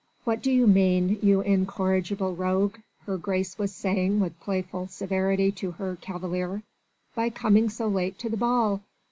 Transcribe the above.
"What do you mean, you incorrigible rogue," her Grace was saying with playful severity to her cavalier, "by coming so late to the ball?